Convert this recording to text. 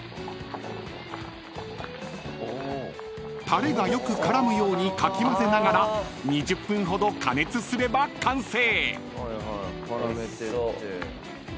［たれがよく絡むようにかき混ぜながら２０分ほど加熱すれば完成］